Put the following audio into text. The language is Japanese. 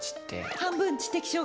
半分？